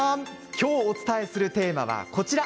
今日お伝えするテーマはこちら。